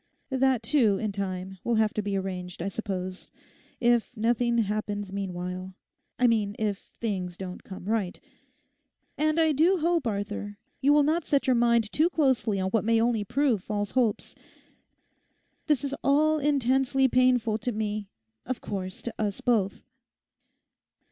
That, too, in time will have to be arranged, I suppose, if nothing happens meanwhile; I mean if things don't come right. And I do hope, Arthur, you will not set your mind too closely on what may only prove false hopes. This is all intensely painful to me; of course, to us both.